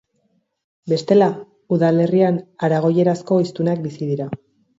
Bestela, udalerrian aragoierazko hiztunak bizi dira.